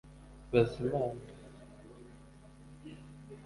baza imana